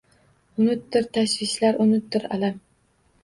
Unutdir tashvishlar, unutdir alam.